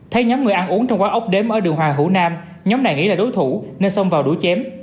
thấy nhóm người ăn uống trong quán ốc đếm ở đường hoàng hữu nam nhóm này nghĩ là đối thủ nên xông vào đuổi chém